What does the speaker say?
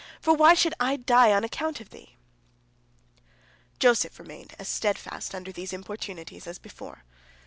For why should I die on account of thee?" Joseph remained as steadfast under these importunities as before.